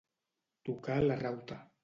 Tocar la rauta.